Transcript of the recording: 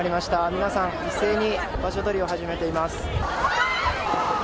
皆さん一斉に場所取りを始めています。